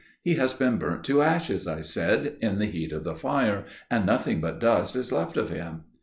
"He has been burnt to ashes," I said, "in the heat of the fire, and nothing but dust is left of him."